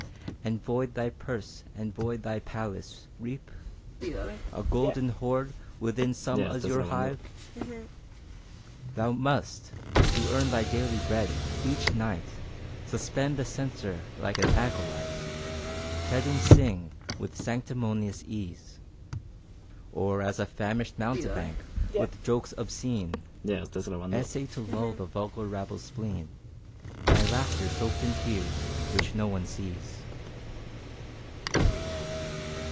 And void thy purse and void thy palace reap A golden hoard within some azure hive? Thou must, to earn thy daily bread, each night, Suspend the censer like an acolyte, Te Deums sing, with sanctimonious ease, Or as a famished mountebank, with jokes obscene Essay to lull the vulgar rabble's spleen; Thy laughter soaked in tears which no one sees.